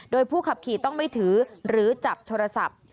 โดยผู้ขับขี่ต้องไม่ถือหรือจับโทรศัพท์